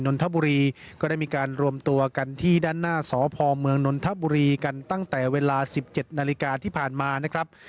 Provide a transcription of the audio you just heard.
นนทบุรีก็ได้มีการรวมตัวกันที่ด้านหน้าสพเมืองนนทบุรีกันตั้งแต่เวลา๑๗นาฬิกาที่ผ่านมานะครับ